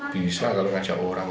bisa kalau ngajak orang